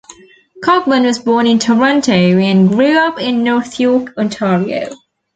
Cockburn was born in Toronto and grew up in North York, Ontario.